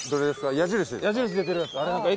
矢印出てるやつ。